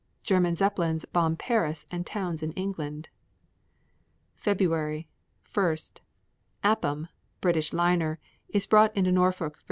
German Zeppelins bomb Paris and towns in England. February 1. Appam, British liner, is brought into Norfolk, Va.